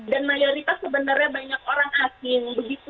dan mayoritas sebenarnya banyak orang asing